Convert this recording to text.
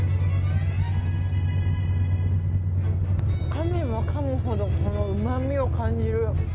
かめばかむほど、うまみを感じる。